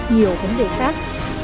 nhiều vấn đề khác